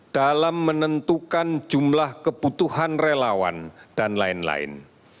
dalam menentukan jumlah kebutuhan relawan dan lain lain